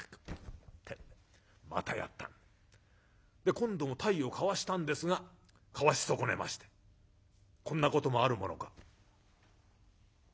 今度も体をかわしたんですがかわし損ねましてこんなこともあるものか。